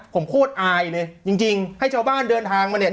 ผมโคตรอายเลยจริงจริงให้ชาวบ้านเดินทางมาเนี่ย